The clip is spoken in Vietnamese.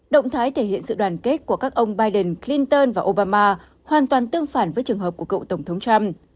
động thái thể hiện sự đoàn kết của các ông biden clinton và obama hoàn toàn tương phản với trường hợp của cựu tổng thống trump